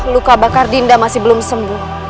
luka bakar dinda masih belum sembuh